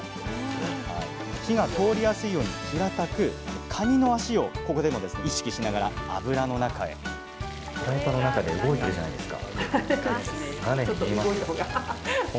火が通りやすいように平たくかにの足をここでも意識しながら油の中へフライパンの中で動いてるじゃないですか。